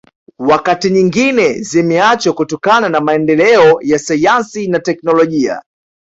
Wakati nyingine zimeachwa kutokana na maendeleo ya sayansi na teknolojia